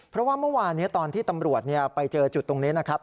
เพราะว่าเมื่อวานนี้ตอนที่ตำรวจไปเจอจุดตรงนี้นะครับ